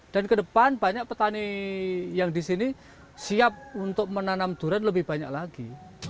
dan ke depan banyak petani yang di sini siap untuk menanam durian lebih banyak lagi